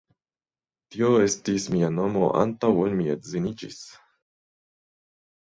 Tio estis mia nomo antaŭ ol mi edziniĝis!